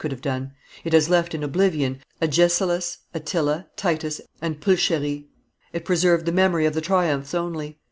could have done: it has left in oblivion Agesilas, Attila, Titus, and Pulcherie; it preserved the memory of the triumphs only.